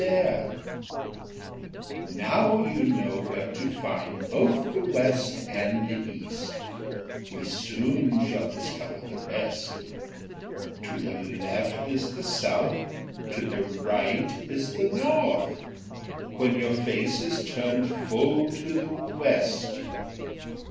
40_ Alfred] "Now you know where to find both the west and the east, We soon shall discover the rest: To the left is the south, to the right is the north, When your face is turn'd full to the west."